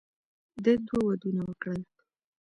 ده دوه ودونه وکړل.